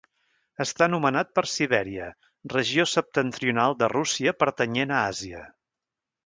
Està anomenat per Sibèria, regió septentrional de Rússia pertanyent a Àsia.